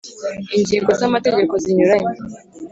ingingo z’ amategeko zinyuranye